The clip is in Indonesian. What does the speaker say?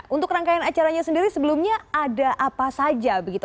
untuk rangkaian acaranya sendiri sebelumnya ada apa saja begitu